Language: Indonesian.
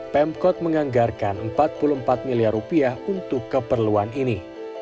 pemkot menganggarkan rp empat puluh empat miliar rupiah untuk keperluan ini